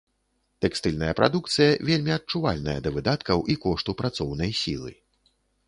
Тэкстыльная прадукцыя вельмі адчувальная да выдаткаў і кошту працоўнай сілы.